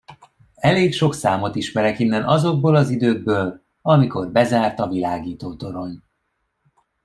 Elég sok számot ismerek innen, azokból az időkből, amikor bezárt a világítótorony.